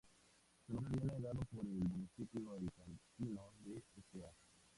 Su nombre viene dado por el municipio alicantino de Altea.